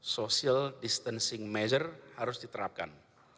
social distancing measure harus diterapkan